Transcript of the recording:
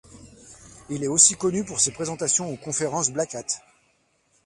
Il est aussi connu pour ses présentations aux conférences Black Hat.